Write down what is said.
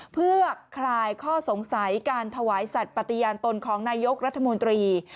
เพื่อคลายข้อสงสัยการถวายสัตว์ปฏิญาณตนของนายกรัฐมนตรี